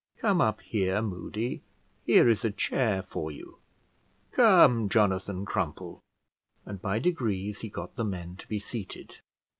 Come up here, Moody, here is a chair for you; come, Jonathan Crumple;" and by degrees he got the men to be seated.